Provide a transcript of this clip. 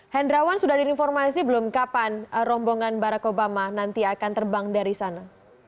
hendrawan sudah ada informasi belum kapan rombongan barack obama nanti akan terbang dari sana